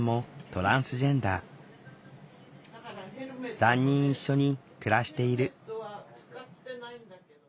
３人一緒に暮らしている。